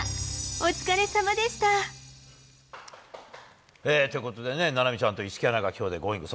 お疲れさまでした。ということでね、菜波ちゃんと市來アナが、きょうでＧｏｉｎｇ！